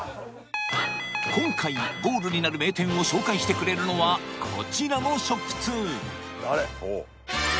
今回ゴールになる名店を紹介してくれるのはこちらの食通！